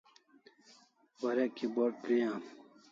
Warek keyboard gri am